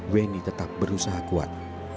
weni tetap berusaha kuat